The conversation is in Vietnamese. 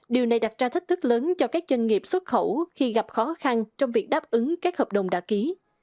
điều này đặt ra thách thức lớn cho các doanh nghiệp xuất khẩu khi gặp khó khăn trong việc đáp ứng các hợp đồng đã ký